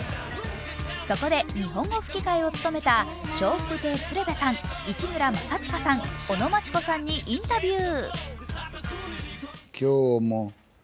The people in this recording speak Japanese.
そこで、日本語吹き替えを務めた笑福亭鶴瓶さん、市村正親さん尾野真千子さんにインタビュー。